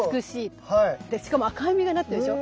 しかも赤い実がなってるでしょ。